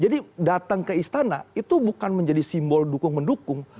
datang ke istana itu bukan menjadi simbol dukung mendukung